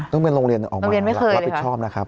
ต้องเป็นโรงเรียนออกมารับผิดชอบนะครับ